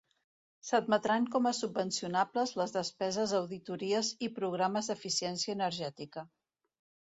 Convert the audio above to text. S'admetran com a subvencionables les despeses d'auditories i programes d'eficiència energètica.